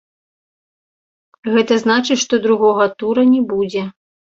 Гэта значыць, што другога тура не будзе.